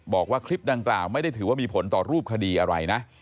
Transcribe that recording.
บอกว่าคลิปดังกล่าวไม่ได้ถือว่ามีผลต่อรูปคดีอะไรนะ